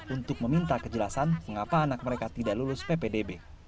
untuk meminta kejelasan mengapa anak mereka tidak lulus ppdb